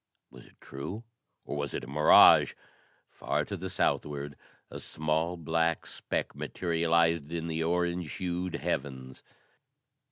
Was it true or was it a mirage? Far to the southward a small, black speck materialized in the orange hued heavens.